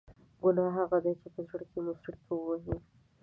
ګناه هغه ده چې په زړه کې مو څړیکه ووهي.